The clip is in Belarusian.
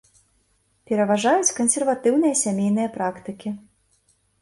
Пераважаюць кансерватыўныя сямейныя практыкі.